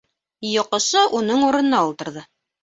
Йоҡосо уның урынына ултырҙы.